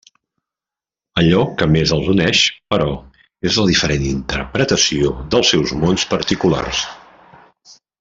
Allò que més els uneix, però, és la diferent interpretació dels seus mons particulars.